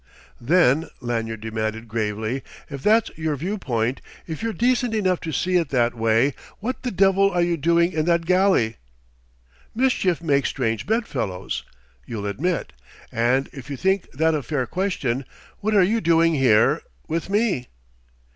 "Then," Lanyard demanded gravely, "if that's your viewpoint, if you're decent enough to see it that way what the devil are you doing in that galley?" "Mischief makes strange bed fellows, you'll admit. And if you think that a fair question what are you doing here, with me?"